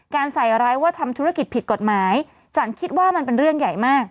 ใส่ร้ายว่าทำธุรกิจผิดกฎหมายจันคิดว่ามันเป็นเรื่องใหญ่มาก